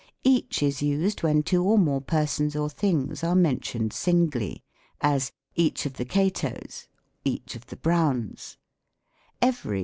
m Each is used when two or more persons or things are mentioned singly; as, ^' each of the Catos;" " each ot the Browns."